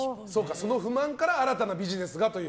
その不満から新たなビジネスがという。